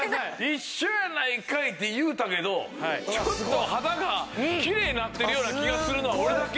一緒やないかい！って言うたけどちょっと肌がきれいになってるような気がするのは俺だけ？